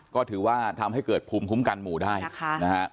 ก็ถือว่าทำให้เกิดภูมิคุ้มกันหมู่ได้นะฮะ